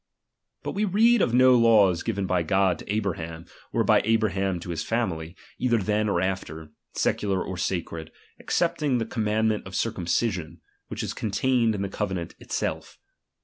But we read of no laws given by God to Abraham, or by Abraham to his family, either , then or after, secular or sacred ; excepting the commandment of circumcision, which is contained in the covenant itself.